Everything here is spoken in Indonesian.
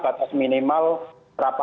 batas minimal serapan